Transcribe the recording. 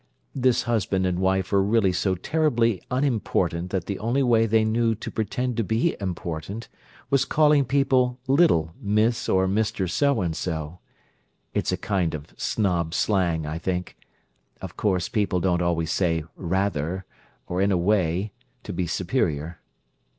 This husband and wife were really so terribly unimportant that the only way they knew to pretend to be important was calling people 'little' Miss or Mister so and so. It's a kind of snob slang, I think. Of course people don't always say 'rather' or 'in a way' to be superior."